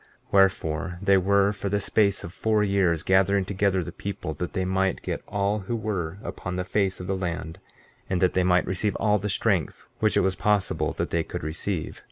15:14 Wherefore, they were for the space of four years gathering together the people, that they might get all who were upon the face of the land, and that they might receive all the strength which it was possible that they could receive.